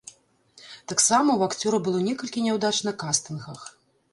Таксама ў акцёра было некалькі няўдач на кастынгах.